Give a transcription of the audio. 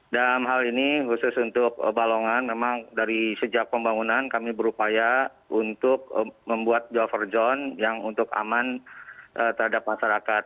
dan hal ini khusus untuk balongan memang dari sejak pembangunan kami berupaya untuk membuat buffer zone yang untuk aman terhadap masyarakat